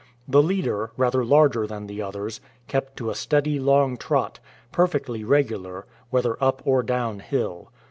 The leader, rather larger than the others, kept to a steady long trot, perfectly regular, whether up or down hill.